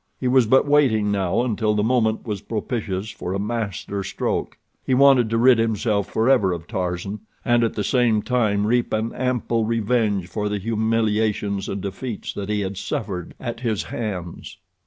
He was but waiting now until the moment was propitious for a master stroke. He wanted to rid himself forever of Tarzan, and at the same time reap an ample revenge for the humiliations and defeats that he had suffered at his hands.